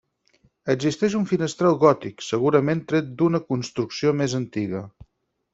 Existeix un finestral gòtic, segurament tret d'una construcció més antiga.